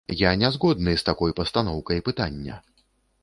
Я не згодны з такой пастаноўкай пытання.